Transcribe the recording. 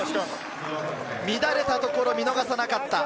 乱れたところを見逃さなかった。